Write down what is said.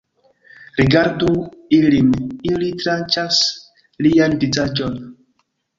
Rigardu ilin, ili tranĉas lian vizaĝon